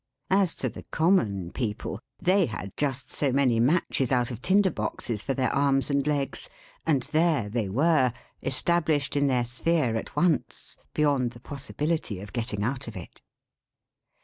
As to the common people, they had just so many matches out of tinder boxes for their arms and legs, and there they were established in their sphere at once, beyond the possibility of getting out of it.